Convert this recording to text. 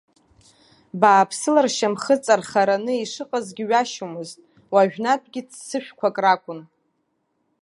Бааԥсыла ршьамхы ҵархараны ишыҟазгьы ҩашьомызт, уажәнатәгьы ццышәқәак ракәын.